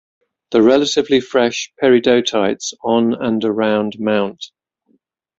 The relatively fresh peridotites on and around Mt.